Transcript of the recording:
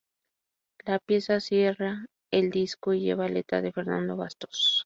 La pieza cierra el disco y lleva letra de Fernando Bastos.